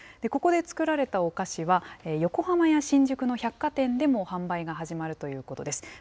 ここで作られたお菓子は、横浜や新宿の百貨店でも販売が始まるということです。